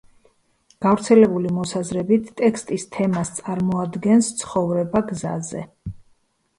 გავრცელებული მოსაზრებით, ტექსტის თემას წარმოადგენს ცხოვრება გზაზე.